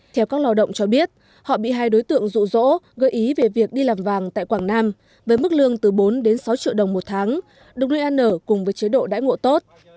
theo các lao động cho biết họ bị hai đối tượng rụ rỗ gợi ý về việc đi làm vàng tại quảng nam với mức lương từ bốn đến sáu triệu đồng một tháng được nuôi ăn ở cùng với chế độ đãi ngộ tốt